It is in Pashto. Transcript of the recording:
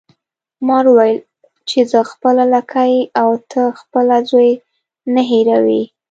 مار وویل چې زه خپله لکۍ او ته خپل زوی نه هیروي.